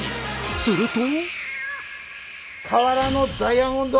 すると。